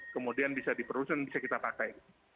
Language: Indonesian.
kemudian bisa diproduksi dan bisa kita pakai